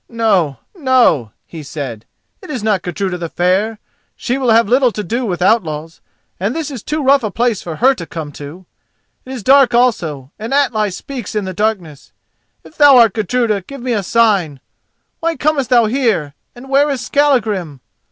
"No, no," he said, "it is not Gudruda the Fair. She will have little to do with outlaws, and this is too rough a place for her to come to. It is dark also and Atli speaks in the darkness. If thou art Gudruda, give me a sign. Why comest thou here and where is Skallagrim?